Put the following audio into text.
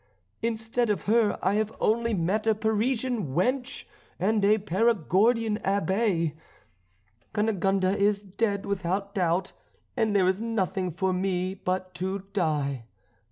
Instead of her I have only met a Parisian wench and a Perigordian Abbé. Cunegonde is dead without doubt, and there is nothing for me but to die.